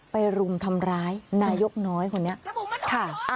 รุมทำร้ายนายกน้อยคนนี้ค่ะ